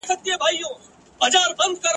حکومت باید رښتینی وي.